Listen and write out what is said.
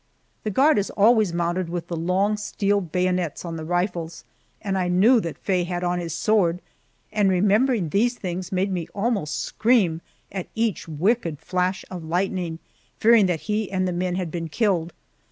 The guard is always mounted with the long steel bayonets on the rifles, and I knew that Faye had on his sword, and remembering these things made me almost scream at each wicked flash of lightning, fearing that he and the men had been killed.